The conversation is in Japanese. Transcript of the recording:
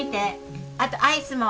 あとアイスも。